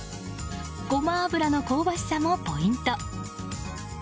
ごま油の香ばしさもポイント。